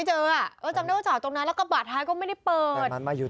ก็จอดตรงนั้นท้ายก็ไม่ได้เปิดด้วย